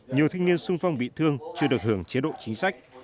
nhiều thanh niên sung phong bị thương chưa được hưởng chế độ chính sách